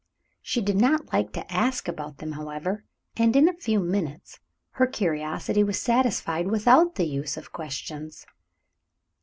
She did not like to ask about them, however, and, in a few minutes, her curiosity was satisfied without the use of questions.